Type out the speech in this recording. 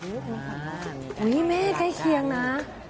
นี่แม่ใกล้เคียงนะ